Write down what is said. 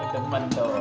udah emang enak